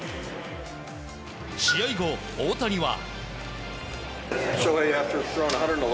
試合後、大谷は。